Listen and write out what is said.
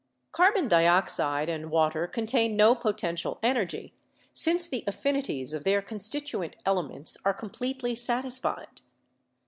Carbon dioxide and water contain no potential energy, since the affinities of their constituent elements are com pletely satisfied.